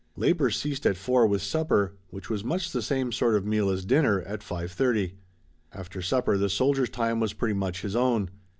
Labor ceased at four with supper, which was much the same sort of meal as dinner, at five thirty. After supper the soldier's time was pretty much his own.